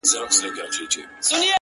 مړ به سم مړى به مي ورك سي گراني ،